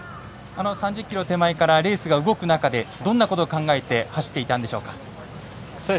３０ｋｍ手前からレースが動く中でどんなことを考えて走っていたんでしょうか。